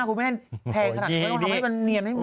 อะไรนะ